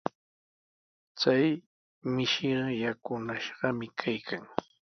Chay mishiqa yakunashqami kaykan.